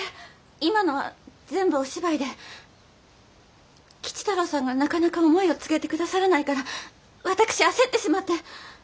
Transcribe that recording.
今のは全部お芝居で吉太郎さんがなかなか思いを告げて下さらないから私焦ってしまって。